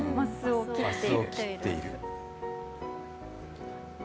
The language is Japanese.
ますを切っている。